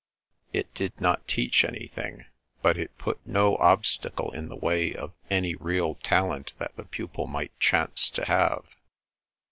It did not teach anything, but it put no obstacle in the way of any real talent that the pupil might chance to have.